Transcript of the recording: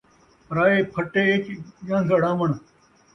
پرائے پھٹے اِچ ڄن٘گھ اڑاوݨ